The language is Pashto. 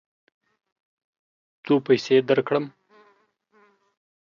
څو پیسې درکړم؟